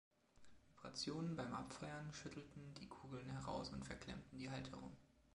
Vibrationen beim Abfeuern schüttelten die Kugeln heraus und verklemmten die Halterung.